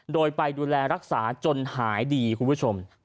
โดยไปดูแลรักษาจนหายดีคุณผู้ชม